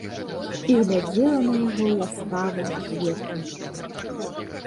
І глядзела на яго ласкава, ветла.